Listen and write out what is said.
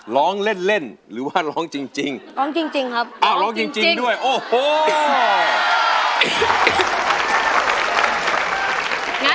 ร้องเล่นเล่นหรือว่าร้องจริงจริงร้องจริงจริงครับร้องจริงจริงด้วยโอ้โห